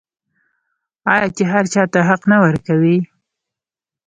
آیا چې هر چا ته حق نه ورکوي؟